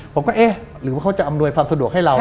ผมก็เอ๊ะหรือว่าเขาจะอำนวยความสะดวกให้เรา